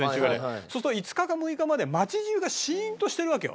そうすると５日か６日まで街中がシーンとしてるわけよ。